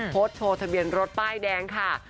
โพสต์โชว์ทะเบียนรถป้ายแดงค่ะ